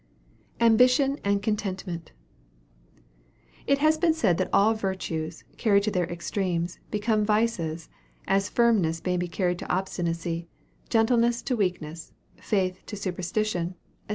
AMBITION AND CONTENTMENT. It has been said that all virtues, carried to their extremes, become vices, as firmness may be carried to obstinacy, gentleness to weakness, faith to superstition, &c.